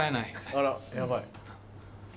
あらやばい。